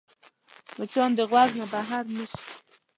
مچان د غوږ نه بهر نه شي